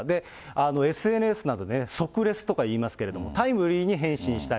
ＳＮＳなど、即レスとかいいますけど、タイムリーに返信したい。